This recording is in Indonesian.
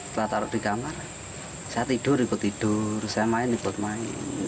setelah taruh di kamar saya tidur ikut tidur saya main ikut main